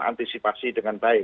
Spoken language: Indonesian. antisipasi dengan baik